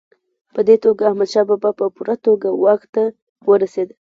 په دې توګه احمدشاه بابا په پوره توګه واک ته ورسېد.